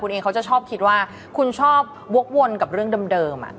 คุณเองเขาจะชอบคิดว่าคุณชอบวกวนกับเรื่องเดิม